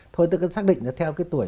thôi tôi xác định là theo cái tuổi